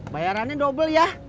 bayarannya dobel ya